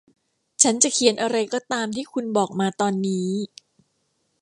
ฉันจะเขียนอะไรก็ตามที่คุณบอกมาตอนนี้